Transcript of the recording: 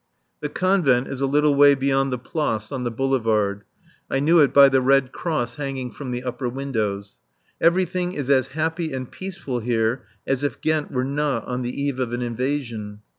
The Convent is a little way beyond the Place on the boulevard. I knew it by the Red Cross hanging from the upper windows. Everything is as happy and peaceful here as if Ghent were not on the eve of an invasion.